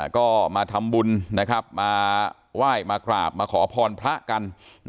ก็มาทำบุญมาไหว้มาขอพรพระกัน